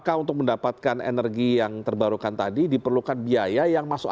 apakah untuk mendapatkan energi yang terbarukan tadi diperlukan biaya yang masuk